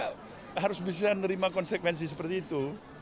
sama juga kita juga harus bisa menerima konsekuensi seperti itu